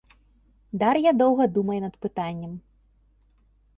Дар'я доўга думае над пытаннем.